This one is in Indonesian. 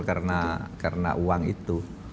karena uang itu